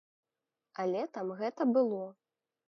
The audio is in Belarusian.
Але там гэта было.